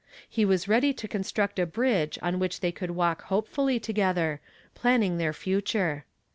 He was ready to construct a bridge on which they could walk hopefully together, planning their future.